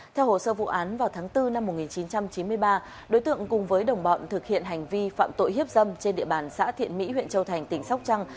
theo hồ sơ vụ án vào tháng bốn năm một nghìn chín trăm chín mươi ba đối tượng cùng với đồng bọn thực hiện hành vi phạm tội hiếp dâm trên địa bàn xã thiện mỹ huyện châu thành tỉnh sóc trăng